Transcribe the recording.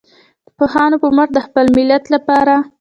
د پوهانو په مټ د خپل ملت لپاره.